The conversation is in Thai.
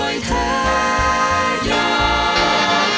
ไข่ไก่โอเยี่ยมอ้างอร่อยแท้อยากกิน